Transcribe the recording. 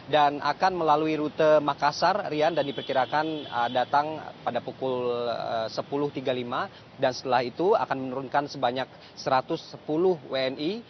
dan akan melalui rute makassar rian dan diperkirakan datang pada pukul sepuluh tiga puluh lima dan setelah itu akan menurunkan sebanyak satu ratus sepuluh wni